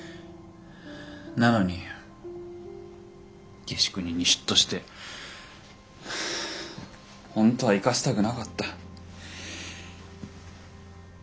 なのに下宿人に嫉妬して本当は行かせたくなかった。